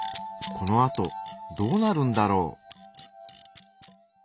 このあとどうなるんだろう？